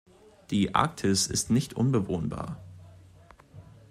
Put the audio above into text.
Die Arktis ist nicht unbewohnbar.